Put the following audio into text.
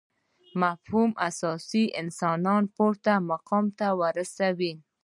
مفهوم اساس انسانان پورته مقام ورسېږي.